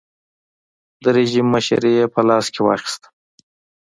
د رژیم مشري یې په لاس کې واخیسته.